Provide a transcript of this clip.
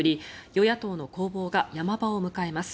与野党の攻防が山場を迎えます。